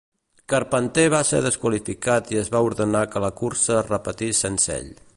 Carpenter va ser desqualificat i es va ordenar que la cursa es repetís sense ell.